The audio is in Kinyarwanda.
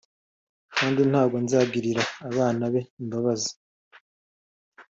Kandi ntabwo nzagirira abana be imbabazi